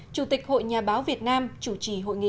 chủ tịch hội nhà báo việt nam chủ trì hội nghị